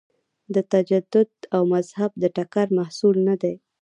د تجدد او مذهب د ټکر محصول نه دی.